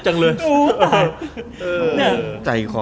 อเจมส์ใจขอ